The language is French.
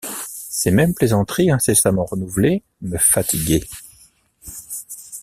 Ces mêmes plaisanteries incessamment renouvelées me fatiguaient.